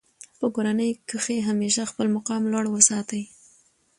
په کورنۍ کښي همېشه خپل مقام لوړ ساتئ!